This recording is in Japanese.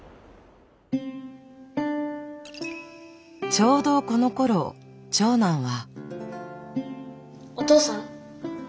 ちょうどこのころ長男は。